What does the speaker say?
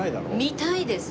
見たいです。